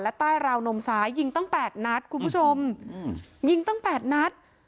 และใต้ราวนมซ้ายยิงตั้งแปดนัดคุณผู้ชมยิงตั้งแปดนัด